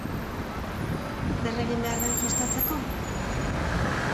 Zer egin behar den jostatzeko?